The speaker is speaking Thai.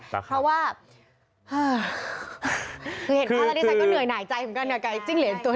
เพราะว่าคือเห็นข้าวแล้วนี้ฉันก็เหนื่อยหน่ายใจกับจิ้งเหลนตัวนี้